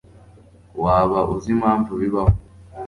Waba uzi impamvu bibaho?